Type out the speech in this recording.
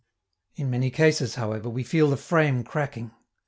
In many cases, however, we feel the frame cracking.